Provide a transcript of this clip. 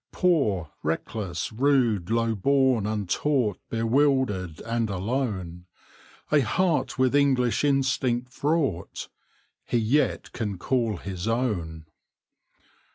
Poor, reckless, rude, low born, untaught, Bewildered and alone, A heart, with English instinct fraught, He yet can call his own.